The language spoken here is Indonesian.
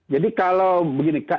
jadi kalau begini